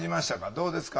どうですか？